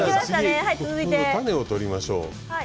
種を取りましょう。